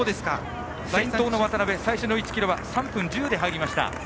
先頭の渡邉、最初の１ｋｍは３分１０で入りました。